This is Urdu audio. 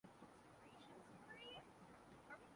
اب حقیقت کچھ اور ہے۔